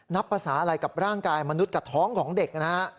นับภาษาอะไรกับร่างกายมนุษย์กับท้องของเด็กนะฮะ